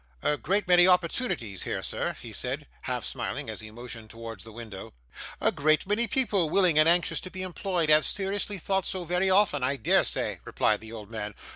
'A great many opportunities here, sir,' he said, half smiling as he motioned towards the window. 'A great many people willing and anxious to be employed have seriously thought so very often, I dare say,' replied the old man.